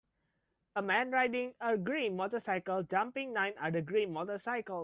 A man riding a green motorcycle jumping nine other green motorcycles.